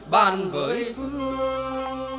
bàn với phương